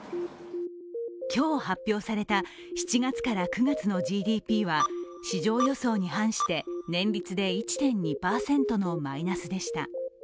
今日発表された７月から９月のＧＤＰは市場予想に反して年率で１．２％のマイナスでした。